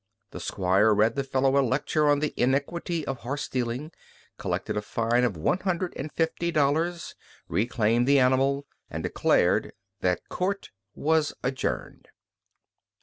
The 'Squire read the fellow a lecture on the iniquity of horse stealing, collected a fine of one hundred and fifty dollars, reclaimed the animal, and declared that court was adjourned.